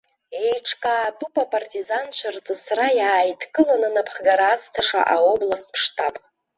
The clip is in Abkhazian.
Еиҿкаатәуп апартизанцәа рҵысра иааидкыланы напхгара азҭаша аобласттә штаб.